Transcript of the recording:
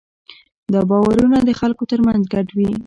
دا باورونه د خلکو ترمنځ ګډ وي.